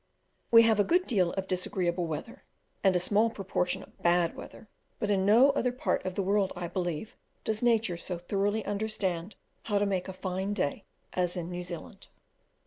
We have a good deal of disagreeable weather, and a small proportion of bad weather, but in no other part of the world, I believe, does Nature so thoroughly understand how to make a fine day as in New Zealand.